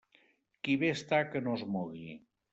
Qui bé està que no es mogui.